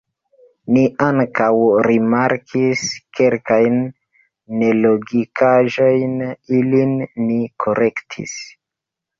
Ni ankaŭ rimarkis kelkajn nelogikaĵojn ilin ni korektis.